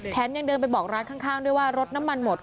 ยังเดินไปบอกร้านข้างด้วยว่ารถน้ำมันหมด